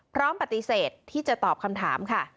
พร้อมปฏิเสธที่จะตอบคำถามค่ะ